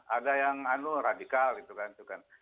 ada yang anu radikal gitu kan